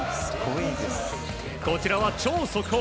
こちらは超速報。